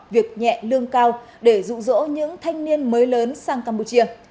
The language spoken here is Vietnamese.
việc nhẹ lương cao để rụ rỗ những thanh niên mới lớn sang campuchia